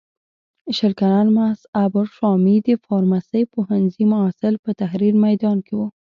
شل کلن مصعب الشامي د فارمسۍ پوهنځي محصل په تحریر میدان کې و.